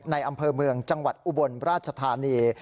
อำเภอเมืองจังหวัดอุบลราชธานี